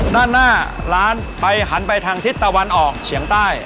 ด้านหน้าร้านไปหันไปทางทิศตะวันออกเฉียงใต้